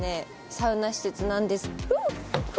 サウナ施設なんですフ！